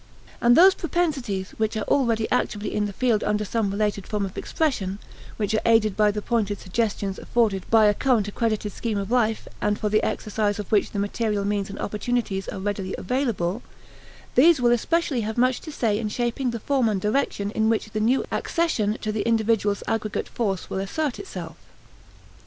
And those propensities which are already actively in the field under some related form of expression, which are aided by the pointed suggestions afforded by a current accredited scheme of life, and for the exercise of which the material means and opportunities are readily available these will especially have much to say in shaping the form and direction in which the new accession to the individual's aggregate force will assert itself.